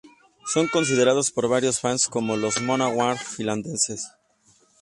Son considerados por varios fans como "Los Manowar finlandeses".